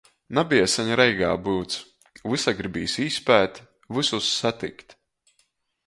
Nabeja seņ Reigā byuts, vysa gribīs īspēt, vysus satikt.